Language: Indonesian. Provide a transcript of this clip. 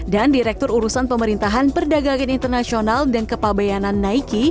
dan direktur urusan pemerintahan perdagangan internasional dan kepabayanan